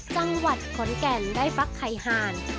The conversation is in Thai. จังหวัดขอนแก่นได้ฟักไข่หาน